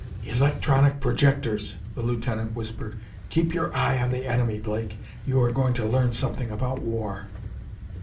"Electronic projectors," the lieutenant whispered. "Keep your eye on the enemy, Blake; you are going to learn something about war."